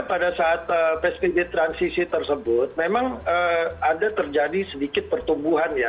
pada saat psbb transisi tersebut memang ada terjadi sedikit pertumbuhan ya